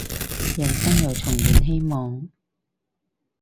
人生又重燃希望